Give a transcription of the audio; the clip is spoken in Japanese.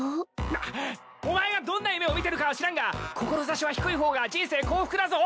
なっお前がどんな夢を見てるかは知らんが志は低い方が人生幸福だぞ！